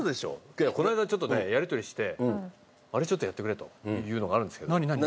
けどこの間ちょっとねやり取りしてあれちょっとやってくれというのがあるんですけど。